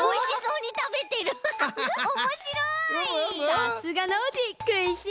さすがノージーくいしんぼう。